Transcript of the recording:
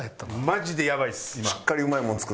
マジでやばいっす今。